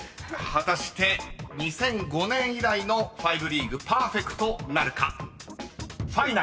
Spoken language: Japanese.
［果たして２００５年以来のファイブリーグパーフェクトなるか？］